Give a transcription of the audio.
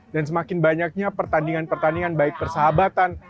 dan semakin banyaknya pertandingan pertandingan baik persahabatan